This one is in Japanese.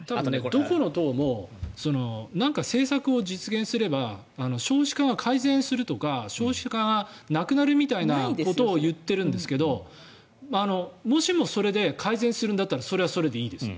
どこの党も政策を実現すれば少子化が改善するとか少子化がなくなるみたいなことを言っているんですけどもしもそれで改善するんだったらそれはそれでいいですよ。